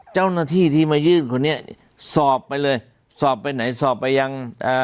เจ้าหน้าที่ที่มายื่นคนนี้สอบไปเลยสอบไปไหนสอบไปยังอ่า